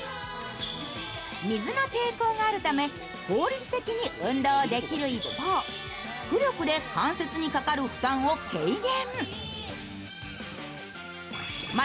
水の抵抗があるため、効率的に運動できる一方浮力で関節にかかる負担を軽減。